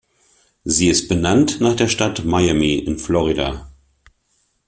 Sie ist benannt nach der Stadt Miami in Florida.